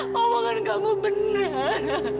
ngomongan kamu benar